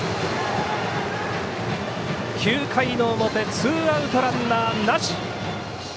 ９回の表、ツーアウトランナーなし。